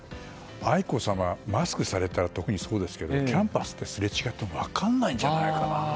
愛子さま、マスクされたら特にそうですけどキャンパスですれ違っても分からないんじゃないかな。